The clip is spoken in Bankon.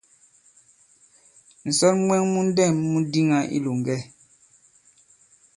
Ǹsɔn mwɛ̄ŋ mu ndɛ̂m mu diŋā i ilòŋgɛ.